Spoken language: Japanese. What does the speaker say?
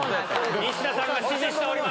西田さんが指示しております。